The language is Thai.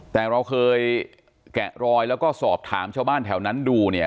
แต่เราเคยแกะรอยแล้วก็สอบถามชาวบ้านแถวนั้นดูเนี่ย